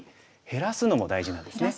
減らすのも大事ですか。